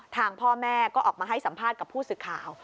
ทางพ่อแม่ก็ออกมาให้สัมภาษณ์กับผู้สื่อข่าว